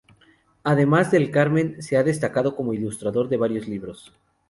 Además, Del Carmen se ha destacado como ilustrador de varios libros.